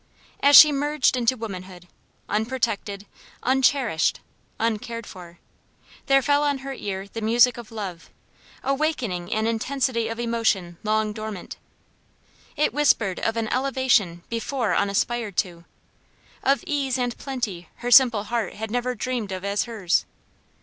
As she merged into womanhood, unprotected, uncherished, uncared for, there fell on her ear the music of love, awakening an intensity of emotion long dormant. It whispered of an elevation before unaspired to; of ease and plenty her simple heart had never dreamed of as hers.